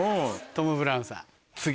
トム・ブラウンさん。